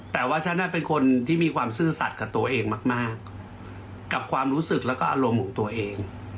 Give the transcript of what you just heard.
แต่ว่าฉันเป็นคนที่มีความซื่อสัตว์กับตัวเองมากกับความรู้สึกแล้วก็อารมณ์ของตัวเอง